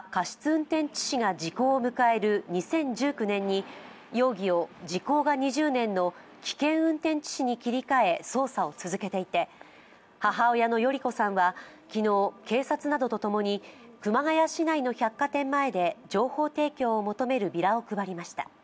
運転致死が時効を迎える２０１９年に容疑を時効が２０年の危険運転致死に切り替え捜査を続けていて母親の代里子さんは、昨日、警察などと共に熊谷市内の百貨店前で情報提供を求めるビラを配りました。